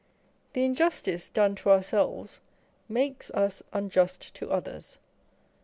The injustice done to our selves makes us unjust to others.